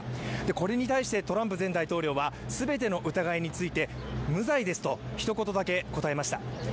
これに対してトランプ前大統領は全ての疑いについて無罪ですとひと言だけ答えました。